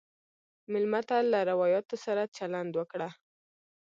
مېلمه ته له روایاتو سره چلند وکړه.